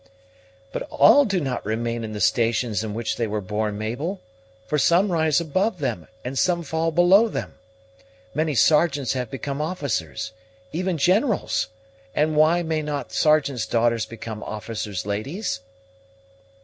"But all do not remain in the stations in which they were born, Mabel; for some rise above them, and some fall below them. Many sergeants have become officers even generals; and why may not sergeants' daughters become officers' ladies?"